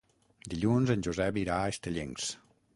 Dilluns en Josep irà a Estellencs.